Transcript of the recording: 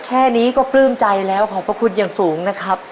แค่นี้ก็ปลื้มใจแล้วขอบพระคุณอย่างสูงนะครับ